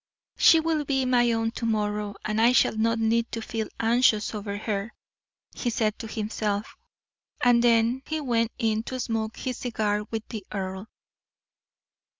"She will be my own to morrow, and I shall not need to feel anxious over her," he said to himself; and then he went in to smoke his cigar with the earl.